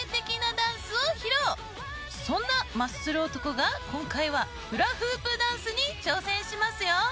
そんなマッスル男が今回はフラフープダンスに挑戦しますよ。